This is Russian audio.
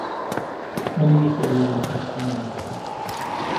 Мне не следовало выходить на улицу.